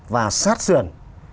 và sát xuyền